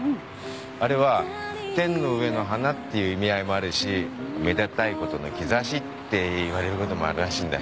あれは天の上の花っていう意味合いもあるしめでたいことの兆しっていわれることもあるらしいんだよ。